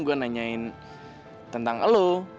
gue nanyain tentang elu